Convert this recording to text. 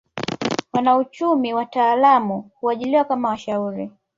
Wanauchumi wataalamu huajiriwa kama washauri